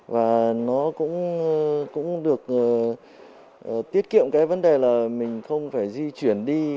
và nó cũng được tiết kiệm cái vấn đề là mình không phải di chuyển đi